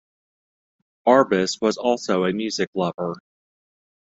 Arbus was also a music lover.